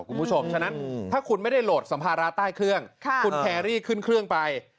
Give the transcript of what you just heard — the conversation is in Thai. ฉะนั้นถ้าคุณไม่ได้โหลดสัมภาระใต้เครื่องคุณแครรี่ขึ้นเครื่องไป